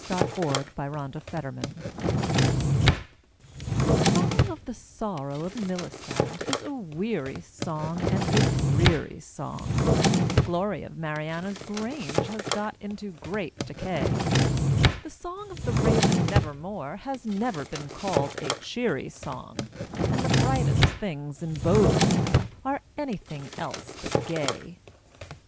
The Song Against Songs The song of the sorrow of Melisande is a weary song and a dreary song, The glory of Mariana's grange had got into great decay, The song of the Raven Never More has never been called a cheery song, And the brightest things in Baudelaire are anything else but gay.